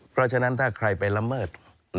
เพราะฉะนั้นถ้าใครไปละเมิด